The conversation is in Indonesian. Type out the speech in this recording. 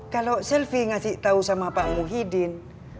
kalau sylvi ngasih tahu sama pak muhyiddin